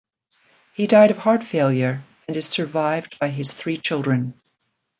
He died of heart failure and is survived by his three children.